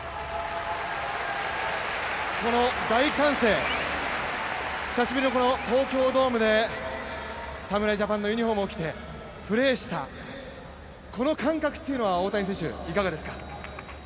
この大歓声、久しぶりの東京ドームで侍ジャパンのユニフォームを着てプレーした、この感覚というのはいかがですか。